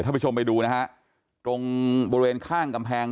ผู้ชมไปดูนะฮะตรงบริเวณข้างกำแพง